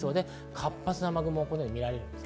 活発な雨雲が見られます。